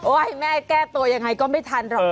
ให้แม่แก้ตัวยังไงก็ไม่ทันหรอก